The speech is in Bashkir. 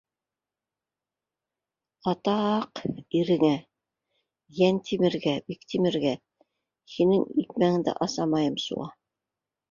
Атаҡ... иреңә, Йәнтимергә, Биктимергә, һинең икмәгеңде асамайым суға...